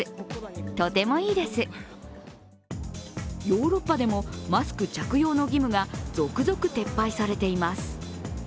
ヨーロッパでもマスク着用の義務が続々、撤廃されています。